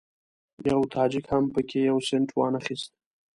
یوه تاجک هم په کې یو سینټ وانخیست.